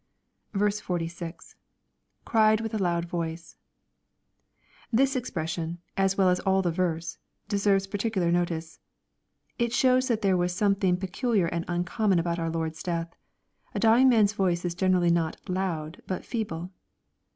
46. —[ On'ed with a hud voice.] This expression, as weU as all the verse, deserves particular notice. It shows that there was some thing peculiar and uncommon about our Lord's death. A dying man's voice is generally not " loud," but feeble.